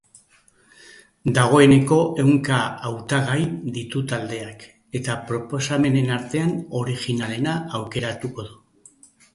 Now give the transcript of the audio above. Dagoeneko ehunka hautagai ditu taldeak, eta proposamenen artean originalena aukeratuko du.